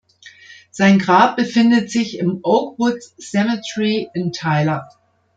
Sein Grab befindet sich im "Oakwood Cemetery" in Tyler.